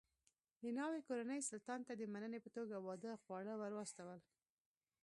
د ناوې کورنۍ سلطان ته د مننې په توګه واده خواړه ور واستول.